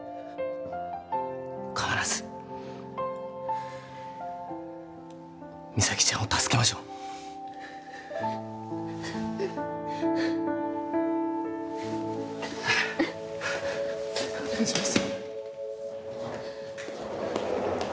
必ず実咲ちゃんを助けましょうお願いします